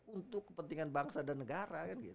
untuk kepentingan bangsa dan negara